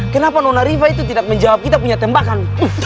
kenapa nona riva itu tidak menjawab kita punya tembakan